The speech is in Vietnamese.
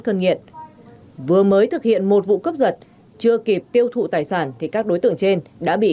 cân nghiện vừa mới thực hiện một vụ cướp giật chưa kịp tiêu thụ tài sản thì các đối tượng trên đã bị